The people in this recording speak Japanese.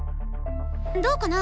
どうかな？